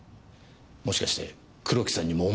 もしかして黒木さんにも思い入れが？